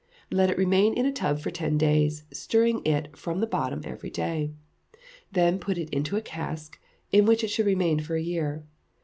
Let it remain in a tub for ten days, stirring it from the bottom every day; then put it into a cask, in which it should remain for a year.